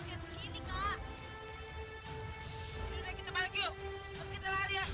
cepetan ke kelas lagi